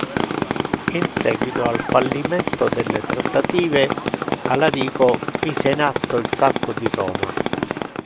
In seguito al fallimento delle trattative, Alarico mise in atto il sacco di Roma.